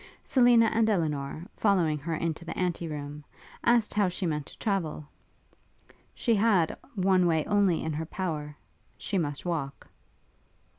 Selina and Elinor, following her into the ante room, asked how she meant to travel? She had one way only in her power; she must walk.